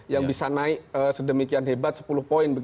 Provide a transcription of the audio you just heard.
yang bisa naik sedemikian hebat sepuluh poin